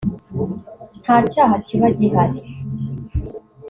nta cyaha kiba gihari